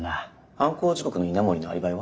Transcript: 犯行時刻の稲森のアリバイは？